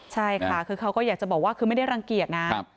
ใช่ค่ะคือเขาก็อยากจะบอกว่าคือไม่ได้รังเกียจนะ